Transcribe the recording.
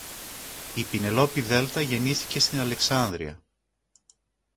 Η Πηνελόπη Δέλτα γεννήθηκε στην Αλεξάνδρεια.